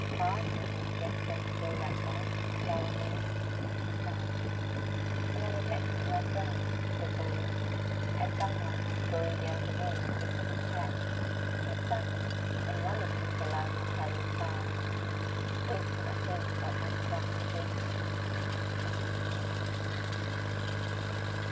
"Barnes never gets them to grow like that," Clara mused; she sighed. "You are neglecting your friends," said Bowley, as some one, going the other way, lifted his hat. She started; acknowledged Mr. Lionel Parry's bow; wasted on him what had sprung for Jacob. ("Jacob! Jacob!" she thought.)